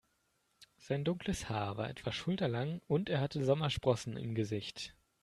Sein dunkles Haar war etwa schulterlang und er hatte Sommersprossen im Gesicht.